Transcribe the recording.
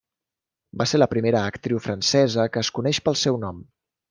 Va ser la primera actriu francesa que es coneix pel seu nom.